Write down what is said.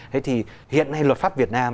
thế thì hiện nay luật pháp việt nam